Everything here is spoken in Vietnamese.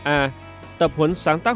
a tập huấn sáng tác